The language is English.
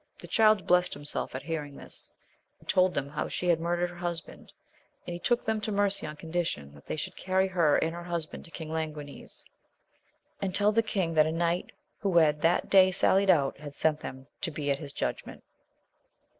The Child blessed himself at hearing this, and told them how she had murdered her husband, and he took them to mercy on condition that they should carry her and her husband to King Languines, and teU the king that a young knight, who had that day sallied out, had sent them to be at his judgment.